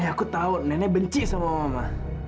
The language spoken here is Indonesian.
nek aku tau nenek benci sama mama